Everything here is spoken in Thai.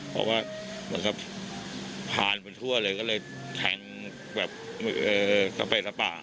เพราะว่าหายิงผ่านไปทั่วเลยก็เลยแทงแบบต่อไปรับบาด